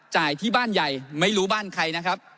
จ่ายที่บ้านใหญ่ไม่รู้บ้านใครนะครับ